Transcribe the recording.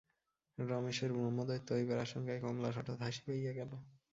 রমেশের ব্রহ্মদৈত্য হইবার আশঙ্কায় কমলার হঠাৎ হাসি পাইয়া গেল।